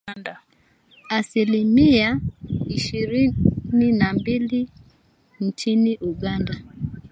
asilimia thelathini na mbili nchini Uganda